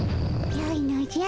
よいのじゃ。